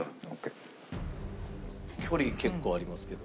距離結構ありますけど。